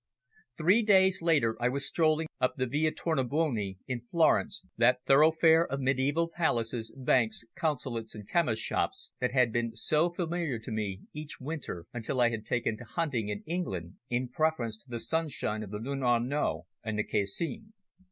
Three days later I was strolling up the Via Tornabuoni, in Florence, that thoroughfare of mediaeval palaces, banks, consulates and chemists' shops that had been so familiar to me each winter, until I had taken to hunting in England in preference to the sunshine of the Lung' Arno and the Cascine.